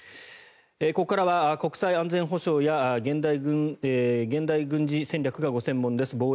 ここからは国際安全保障や現代軍事戦略がご専門です